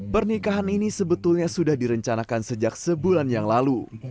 pernikahan ini sebetulnya sudah direncanakan sejak sebulan yang lalu